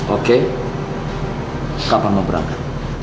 oke kapan mau berangkat